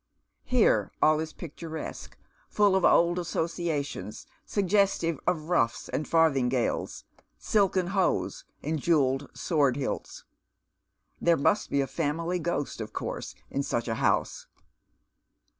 Here all is picturesque, full of old associations, suggestive of ruffs and farthingales, silken hose, and jewelled Bword hilts. There must be a family ghost, of course, in such a house.